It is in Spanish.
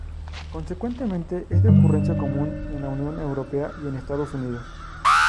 Consecuentemente, es de ocurrencia común en la Unión Europea y en Estados Unidos.